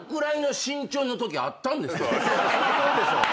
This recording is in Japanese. そらそうでしょ！